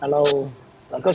saya kira tidak masalah